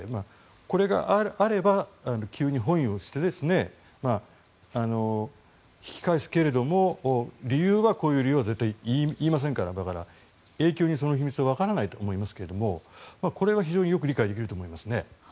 これがあれば、急に翻意をして引き返すけれども理由は言いませんから永久にその秘密は分からないと思いますけどもこれは非常によく理解できると思いますね。